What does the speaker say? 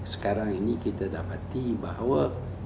sekarang ini kita dapati bahwa